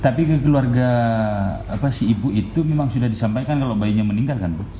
tapi ke keluarga si ibu itu memang sudah disampaikan kalau bayinya meninggal kan bu